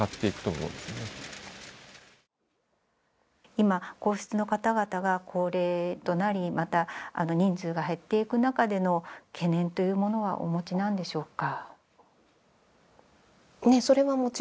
今皇室の方々が高齢となりまた人数が減っていく中での懸念というものはお持ちなんでしょうか？